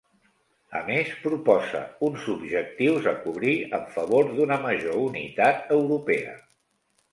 A més proposa uns objectius a cobrir en favor d'una major unitat europea.